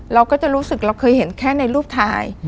เราก็จะรู้สึกเราเคยเห็นแค่ในรูปถ่าย